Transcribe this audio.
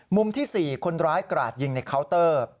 ที่๔คนร้ายกราดยิงในเคาน์เตอร์